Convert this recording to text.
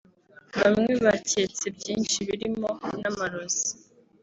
Bamwe baketse byinshi birimo n’amarozi